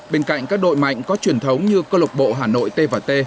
bên cạnh các đội mạnh có truyền thống như cơ lộc bộ hà nội t và t